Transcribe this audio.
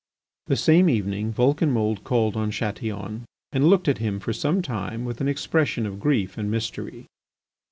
The same evening Vulcanmould called on Chatillon and looked at him for some time with an expression of grief and mystery.